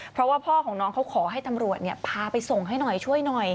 เพราะว่าพ่อของน้องเขาขอให้ตำรวจพาไปส่งให้หน่อยช่วยหน่อย